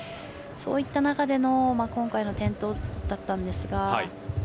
そういった中での今回の転倒だったんですが。